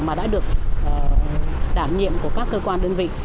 mà đã được đảm nhiệm của các cơ quan đơn vị